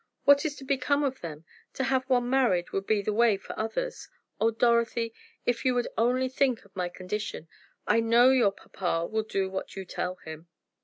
What is to become of them? To have one married would be the way for others. Oh, Dorothy, if you would only think of my condition! I know your papa will do what you tell him."